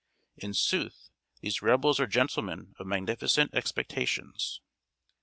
In sooth, these Rebels are gentlemen of magnificent expectations.